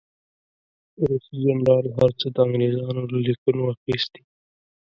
روسي جنرال هر څه د انګرېزانو له لیکنو اخیستي.